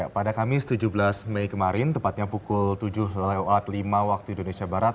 pada kamis tujuh belas mei kemarin tepatnya pukul tujuh lewat lima waktu indonesia barat